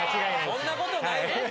そんなことない！